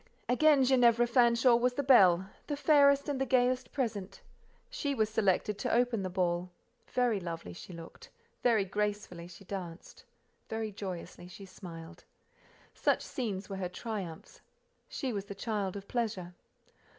Again Ginevra Fanshawe was the belle, the fairest and the gayest present; she was selected to open the ball: very lovely she looked, very gracefully she danced, very joyously she smiled. Such scenes were her triumphs—she was the child of pleasure.